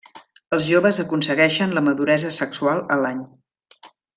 Els joves aconsegueixen la maduresa sexual a l'any.